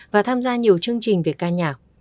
và tham gia nhiều chương trình về ca nhạc